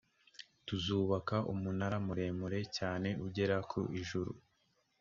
tuzubaka umunara muremure cyane ugera ku ijuru